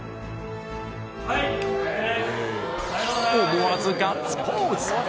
思わずガッツポーズ